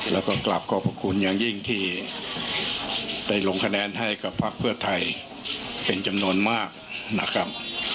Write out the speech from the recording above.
แล้วก็กลับขอบพระคุณอย่างยิ่งที่ได้ลงคะแนนให้กับพักเพื่อไทยเป็นจำนวนมากนะครับ